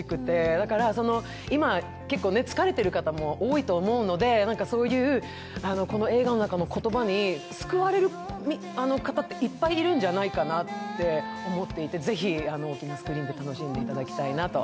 だから今、結構疲れている方も多いと思うので、この映画の中の言葉に救われる方っていっぱいいるんじゃないかなと思っていて、ぜひスクリーンで楽しんでいただきたいなと。